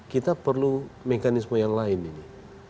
kita perlu mekanisme yang lain ini